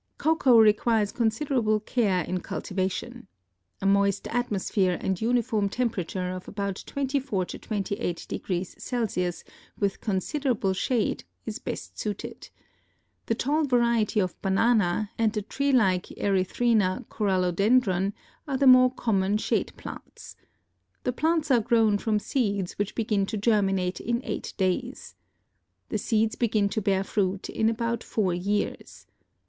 Cocoa requires considerable care in cultivation. A moist atmosphere and uniform temperature of about 24 to 28 degrees C., with considerable shade, is best suited. The tall variety of banana and the tree like Erythrina Corallodendron are the more common shade plants. The plants are grown from seeds which begin to germinate in eight days. The trees begin to bear fruit in about four years.